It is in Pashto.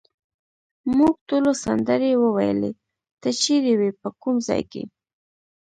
موږ ټولو سندرې وویلې، ته چیرې وې، په کوم ځای کې؟